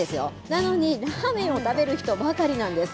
なのに、ラーメンを食べる人ばかりなんです。